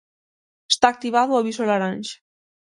Está activado o aviso laranxa.